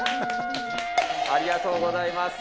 ありがとうございます。